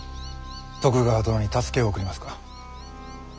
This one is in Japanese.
徳川殿に助けを送りますか？